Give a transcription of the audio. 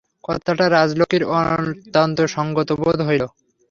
কথাটা রাজলক্ষ্মীর অত্যন্ত সংগত বোধ হইল।